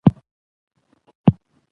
موږ هغه وخت په کابل ښار کې اوسېدو.